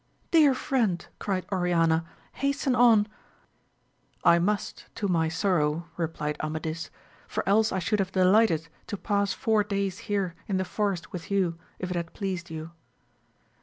Dear friend, cried Oriana, hasten on ! I must to my sorrow, replied Amadis, for else I should have delighted to pass four days here in the forest with you, if it had pleased you.